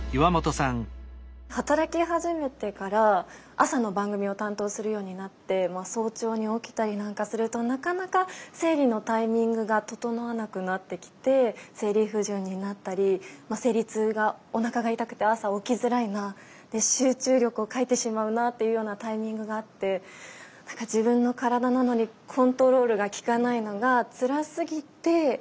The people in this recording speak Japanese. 働き始めてから朝の番組を担当するようになって早朝に起きたりなんかするとなかなか生理のタイミングが整わなくなってきて生理不順になったり生理痛がおなかが痛くて朝起きづらいな集中力を欠いてしまうなというようなタイミングがあって自分の体なのにコントロールがきかないのがつらすぎて。